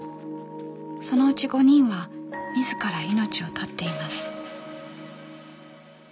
そのうち５人は自ら命を絶っています。